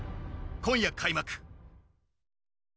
今夜開幕。